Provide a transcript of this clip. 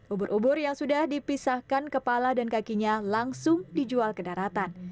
ubur ubur yang sudah dipisahkan kepala dan kakinya langsung dijual ke daratan